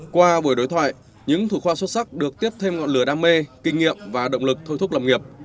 qua buổi đối thoại những thủ khoa xuất sắc được tiếp thêm ngọn lửa đam mê kinh nghiệm và động lực thôi thúc lâm nghiệp